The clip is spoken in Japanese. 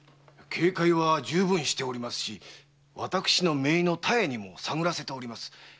警戒は充分しておりますし私の姪の多江にも探らせております。